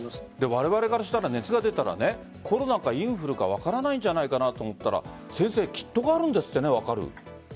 われわれからしたら熱が出たらコロナかインフルか分からないんじゃないかと思ったらキットがあるんですってね。